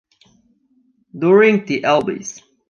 During the Elvis!